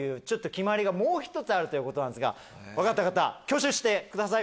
決まりがもう一つあるんですが分かった方挙手してください